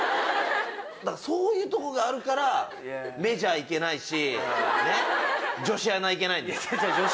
そういうところがあるからメジャーいけないし女子アナいけない。